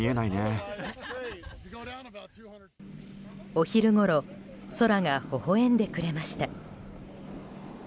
お昼ごろ空がほほ笑んでくれました。